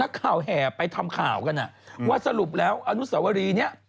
ข่าวแห่ไปทำข่าวกันว่าสรุปแล้วอนุสวรีนี้